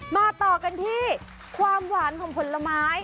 มาต่อกันที่ความหวานของผลไม้